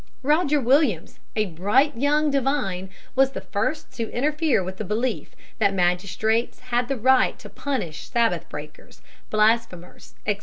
Roger Williams, a bright young divine, was the first to interfere with the belief that magistrates had the right to punish Sabbath breakers, blasphemers, etc.